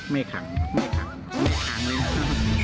ไม่ขังไม่ขังไม่ขังเลยครับ